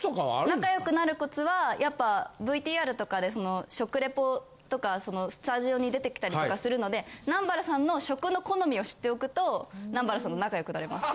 仲良くなるコツはやっぱＶＴＲとかで食レポとかスタジオに出てきたりとかするので南原さんの。と南原さんと仲良くなれます。